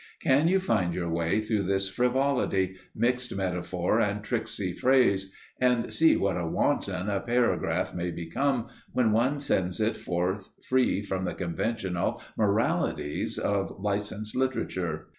Can you find your way through this frivolity, mixed metaphor and tricksy phrase, and see what a wanton a paragraph may become when one sends it forth, free from the conventional moralities of licenced Literature?